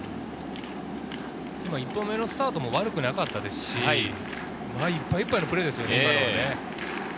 一歩目のスタートも悪くなかったですし、いっぱいいっぱいのプレーですよね。